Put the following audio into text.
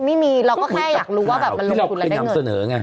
ไม่มีเราก็แค่อยากรู้ว่าแบบมันลงทุนและได้เงิน